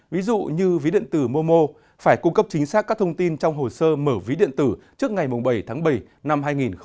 ví dụ như ví điện tử momo phải cung cấp chính xác các thông tin trong hồ sơ mở ví điện tử trước ngày bảy tháng bảy năm hai nghìn hai mươi